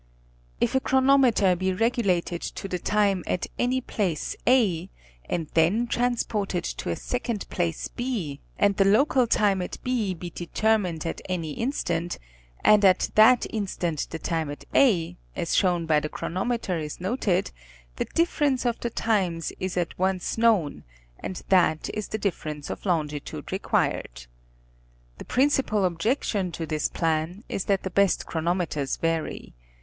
If a chronometer be regulated to the time at any place A, and then transported to a second place B, and the local time at B, be determined at any instant, and at that instant the time at A, as shown by the chronometer is noted, the difference of the times is at once known, and that is the difference of longitude required. The principal objection to this plan is that the best chronometers vary.